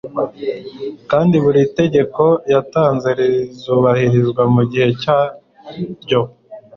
kandi buri tegeko yatanze rizubahirizwa mu gihe cyaryo